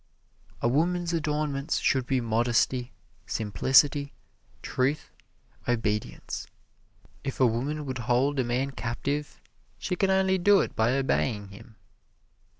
A woman's ornaments should be modesty, simplicity, truth, obedience. If a woman would hold a man captive she can only do it by obeying him.